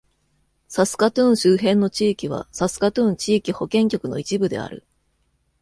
サスカトゥーン周辺の地域はサスカトゥーン地域保健局の一部である。